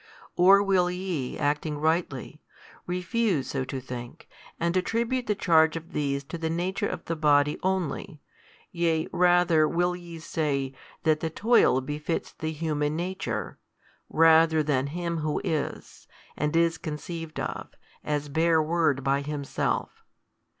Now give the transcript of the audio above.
Or will ye, acting rightly, refuse so to think, and attribute the charge of these to the nature of the Body only, yea rather will ye say that the toil befits the Human Nature, rather than Him Who is, and is conceived of, as bare Word by Himself?